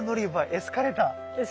エスカレーター。